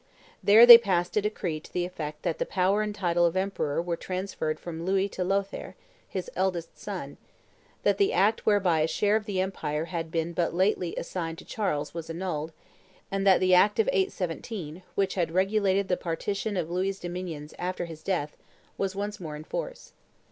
There they passed a decree to the effect that the power and title of emperor were transferred from Louis to Lothaire, his eldest son; that the act whereby a share of the empire had but lately beer assigned to Charles was annulled; and that the act of 817, which had regulated the partition of Louis's dominions after his death, was once more in force.